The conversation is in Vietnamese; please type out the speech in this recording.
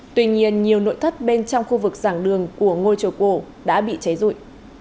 tuy nhiên nhiều nội thất bên trong khu vực giảng đường của ngôi chùa cổ đã bị cháy rụi